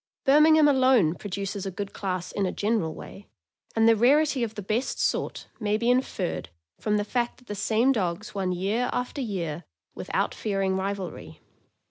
Birmingham alone produces a good class in a general way, and the rarity of the best sort may be inferred from the fact that the same dogs won year after year without fearing rivalry.